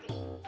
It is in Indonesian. eh bang dulu